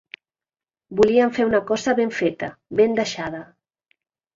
Volien fer una cosa ben feta, ben deixada